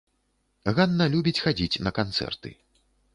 Ганна любіць хадзіць на канцэрты.